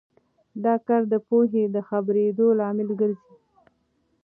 دا کار د پوهې د خپرېدو لامل ګرځي.